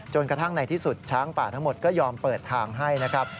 กระทั่งในที่สุดช้างป่าทั้งหมดก็ยอมเปิดทางให้นะครับ